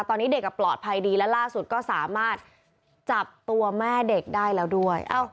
ตอนนี้เด็กปลอดภัยดีและล่าสุดก็สามารถจับตัวแม่เด็กได้แล้วด้วย